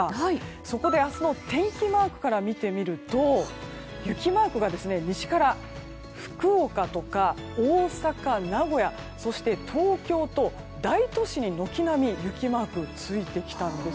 そこで、明日の天気マークから見てみると雪マークが西から福岡とか大阪、名古屋、そして東京と大都市に軒並み雪マークがついてきたんです。